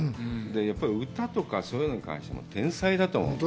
やっぱり歌とか、そういうのに関しても天才だと思います。